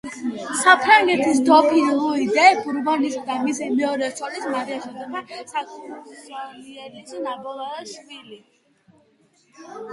საფრანგეთის დოფინ ლუი დე ბურბონისა და მისი მეორე ცოლის, მარია ჟოზეფა საქსონიელის ნაბოლარა შვილი.